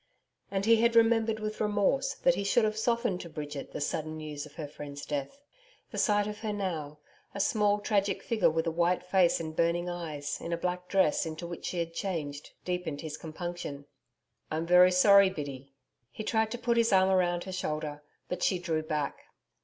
And he had remembered with remorse that he should have softened to Bridget the sudden news of her friend's death. The sight of her now a small tragic figure with a white face and burning eyes, in a black dress into which she had changed, deepened his compunction. 'I am very sorry, Biddy.' He tried to put his arm round her shoulder, but she drew back.